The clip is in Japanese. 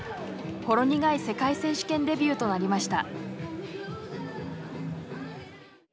ほろ苦い世界選手権デビューとなりました。